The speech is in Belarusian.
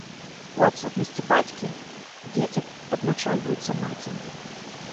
У адсутнасці бацькі дзеці падначальваюцца маці.